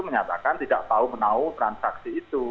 menyatakan tidak tahu menau transaksi itu